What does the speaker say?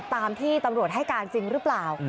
ตามที่ตำรวจให้การจริงหรือเปล่า